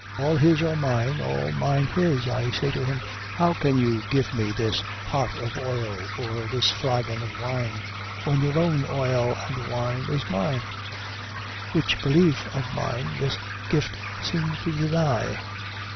All his are mine, all mine his. I say to him, How can you give me this pot of oil, or this flagon of wine, when all your oil and wine is mine, which belief of mine this gift seems to deny?